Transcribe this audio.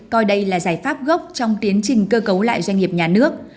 coi đây là giải pháp gốc trong tiến trình cơ cấu lại doanh nghiệp nhà nước